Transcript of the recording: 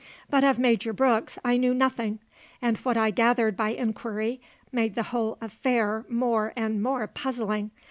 But of Major Brooks I knew nothing; and what I gathered by inquiry made the whole affair more and more puzzling.